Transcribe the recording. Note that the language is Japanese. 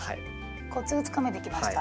コツがつかめてきました。